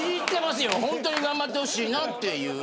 本当に頑張ってほしいなという。